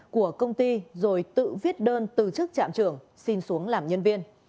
của công ty rồi tự viết đơn từ chức trạm trưởng xin xuống làm nhân viên